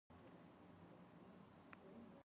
د عمرو تشویش مو هېر سوو